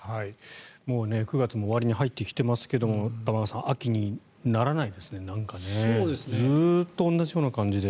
もう９月も終わりに入ってきていますが玉川さん、秋にならないですねなんかねずっと同じような感じで。